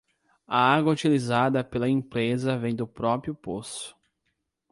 A água utilizada pela empresa vem do próprio poço.